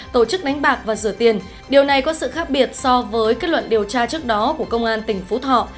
tổ chức đánh bạc và rửa tiền điều này có sự khác biệt so với kết luận điều tra trước đó của công an tỉnh phú thọ